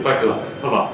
của các tổ tượng thông đoàn